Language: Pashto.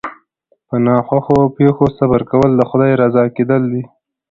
په ناخوښو پېښو صبر کول د خدای رضا کېدل دي.